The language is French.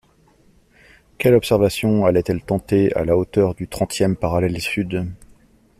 Quelle observation allait-elle tenter à la hauteur du trentième parallèle sud?